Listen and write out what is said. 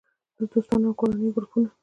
- د دوستانو او کورنۍ ګروپونه